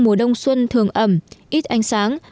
mùa đông xuân thường ẩm ít ánh sáng